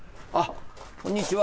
こんにちは。